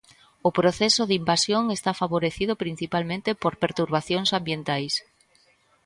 O proceso de invasión está favorecido principalmente por perturbacións ambientais.